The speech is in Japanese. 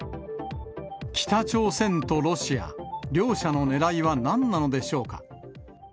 北朝鮮とロシア、両者のねらいはなんなのでしょうか。